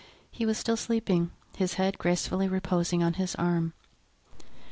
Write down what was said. He was still sleeping, his head gracefully reposing on his arm.